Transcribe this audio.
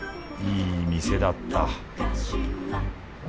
いい店だった